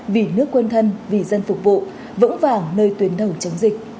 vì nước quân thân vì dân phục vụ vững vàng nơi tuyển thầu chống dịch